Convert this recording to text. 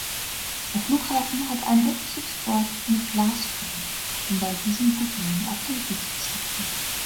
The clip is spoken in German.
Der Flughafen hat einen Rückzugsort mit Glasfron, um bei diesem Problem Abhilfe zu schaffen.